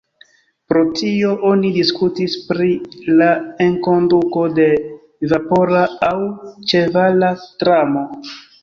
Pro tio oni diskutis pri la enkonduko de vapora aŭ ĉevala tramo.